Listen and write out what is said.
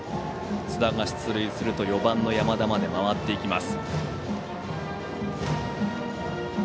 津田が出塁すると４番の山田まで回ってきます。